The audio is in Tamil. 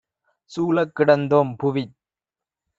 சூழக் கிடந்தோம் - புவித்